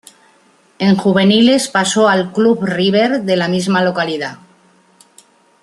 En juveniles pasó al Club River de la misma localidad.